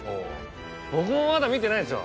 僕もまだ見てないんですよ。